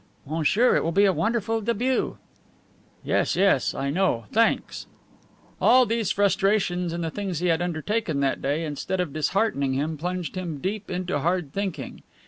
"Monsieur, it will be a wonderful debut." "Yes, yes, I know. Thanks." All these frustrations in the things he had undertaken that day instead of disheartening him plunged him deep into hard thinking.